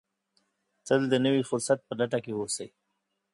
تل د نوي فرصت په لټه کې اوسئ.